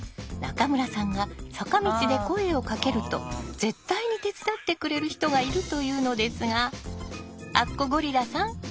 中村さんが坂道で声をかけると絶対に手伝ってくれる人がいると言うのですがあっこゴリラさん